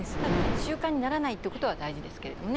習慣にならないってことは大事ですけれどもね。